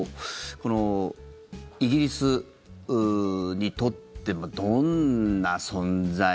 このイギリスにとってどんな存在？